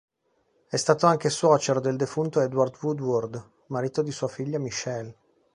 È stato anche suocero del defunto Edward Woodward, marito di sua figlia Michele.